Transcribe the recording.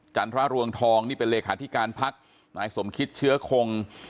พระรวงทองนี่เป็นเลขาธิการพักนายสมคิตเชื้อคง